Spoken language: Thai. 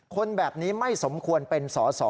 คนแบบนี้ไม่สมควรเป็นสอสอ